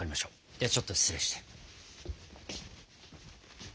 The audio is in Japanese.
ではちょっと失礼して。